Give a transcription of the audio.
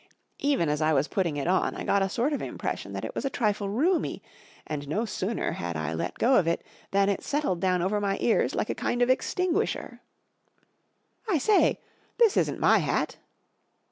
Even as I was putting it on 1 got a sort of impression that it was a trifle roomy; and no sooner had l let go of it than it settled down over my ears like a kind of extinguisher, " I say I This isn't my hat